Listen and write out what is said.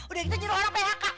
udah kita nyuruh orang phk